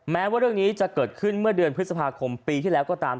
แม้ว่าเรื่องนี้จะเกิดขึ้นเมื่อเดือนพฤษภาคมปีที่แล้วก็ตาม